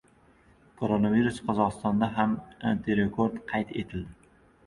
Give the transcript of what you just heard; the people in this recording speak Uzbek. Koronavirus: Qozog‘istonda ham antirekord qayd etildi